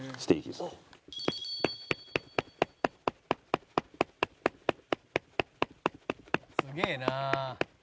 「すげえなあ」